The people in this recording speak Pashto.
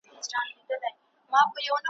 نور به نو ملنګ جهاني څه درکړي `